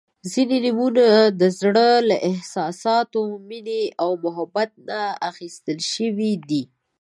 • ځینې نومونه د زړۀ له احساساتو، مینې او محبت نه اخیستل شوي دي.